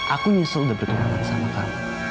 aku nyesel udah bertemuan sama kamu